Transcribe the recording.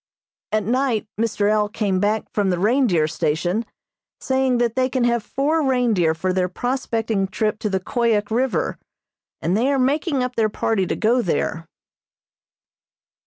At night Mr. L. came back from the reindeer station, saying that they can have four reindeer for their prospecting trip to the Koyuk River, and they are making up their party to go there.